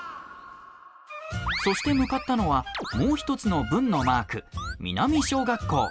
そして向かったのはもう一つの「文」のマーク南小学校！